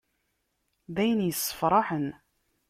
D ayen issefraḥen.